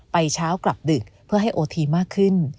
เช้ากลับดึกเพื่อให้โอทีมากขึ้น